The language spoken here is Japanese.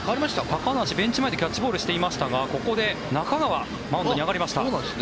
ベンチ前でキャッチボールをしていましたがここで中川マウンドに上がりました。